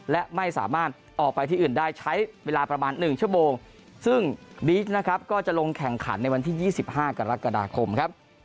และไม่สามารถออกไปที่อื่นได้ใช้เวลาประมาณ๑ชั่วโมงซึ่งบีกนะครับก็จะลงแข่งขันในวันที่๒๕กรกฎาคมครับ